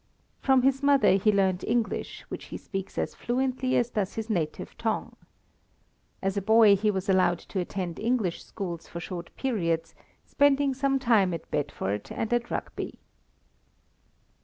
From his mother he learned English, which he speaks as fluently as he does his native tongue. As a boy he was allowed to attend English schools for short periods, spending some time at Bedford and at Rugby.